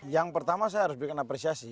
yang pertama saya harus bikin apresiasi